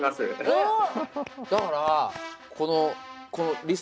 えっ！